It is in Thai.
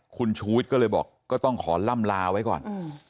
คุณชูวิทย์ก็เลยบอกก็ต้องขอล่ำลาไว้ก่อน